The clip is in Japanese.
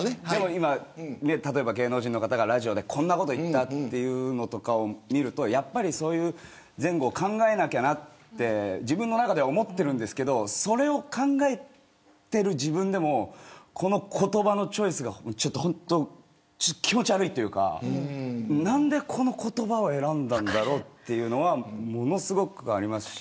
今、例えば、芸能人の方がラジオでこんなことを言ったというのを見るとやっぱり前後を考えなきゃなと自分の中では思っているんですけれどそれを考えている自分でもこの言葉のチョイスは本当、気持ち悪いというか何でこの言葉を選んだんだろうというのはものすごくあります。